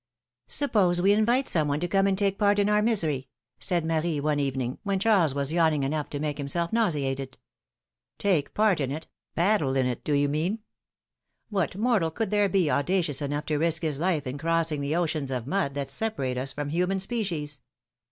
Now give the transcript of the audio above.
Suppose we invite some one to come and take part in 6 90 philomI:xe's marriages. our misery?^' said Marie one evening, when Charles was yawning enough to make himself nauseated. ^^Take part in it! paddle in it, do you mean? What mortal could there be, audacious enough to risk his life in crossing the oceans of mud that separate us from human species